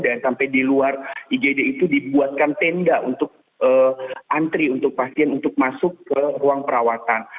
dan sampai di luar igd itu dibuatkan tenda untuk antri untuk pasien untuk masuk ke ruang perawatan